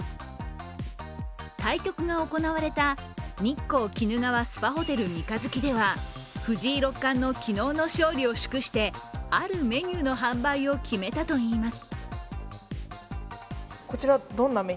対局が行われた日光きぬ川スパホテル三日月では藤井六冠の昨日の勝利を祝してあるメニューの販売を決めたといいます。